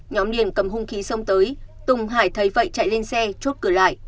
nhóm điền cầm hung khí sông tới tùng hải thấy vậy chạy lên xe chốt cửa lại